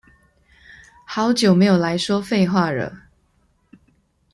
好久沒有來說廢話惹